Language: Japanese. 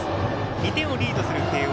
２点リードする慶応。